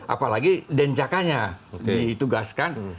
apalagi denjakanya ditugaskan